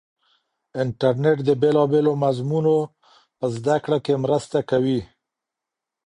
انټرنیټ د بېلابېلو مضمونو په زده کړه کې مرسته کوي.